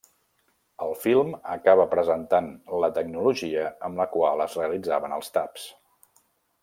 El film acaba presentant la tecnologia amb la qual es realitzaven els taps.